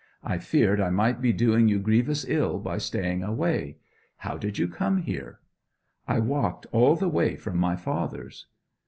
I feared I might be doing you grievous ill by staying away. How did you come here?' 'I walked all the way from my father's.'